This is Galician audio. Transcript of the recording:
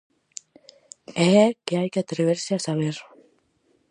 E é que hai que atreverse a saber.